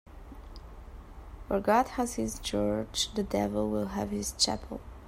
Where God has his church, the devil will have his chapel.